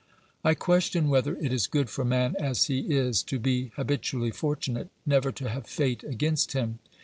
I question whether it is good for man as he is to be habitually fortunate, never to have fate against him.